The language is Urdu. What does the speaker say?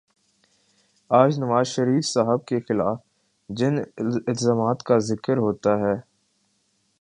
آج نوازشریف صاحب کے خلاف جن الزامات کا ذکر ہوتا ہے،